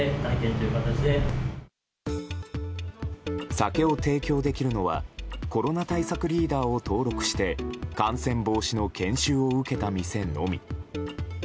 酒を提供できるのはコロナ対策リーダーを登録して感染防止の研修を受けた店のみ。